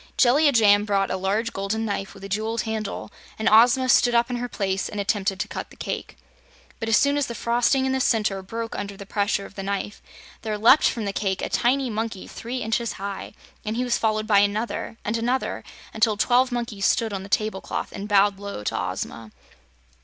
Jellia Jamb brought a large golden knife with a jeweled handle, and Ozma stood up in her place and attempted to cut the cake. But as soon as the frosting in the center broke under the pressure of the knife there leaped from the cake a tiny monkey three inches high, and he was followed by another and another, until twelve monkeys stood on the tablecloth and bowed low to Ozma.